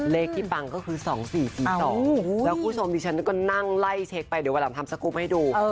เลขที่ปังก็คือ๒๔๔๒แล้วคุณผู้ชมดิฉันก็นั่งไล่เช็คไปเดี๋ยวเวลาทำสกรูปให้ดู